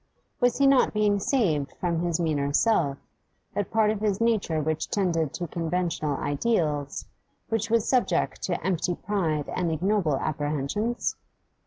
Was he not being saved from his meaner self, that part of his nature which tended to conventional ideals, which was subject to empty pride and ignoble apprehensions?